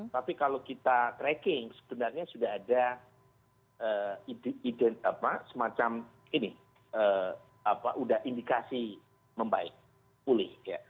tapi kalau kita tracking sebenarnya sudah ada semacam ini sudah indikasi membaik pulih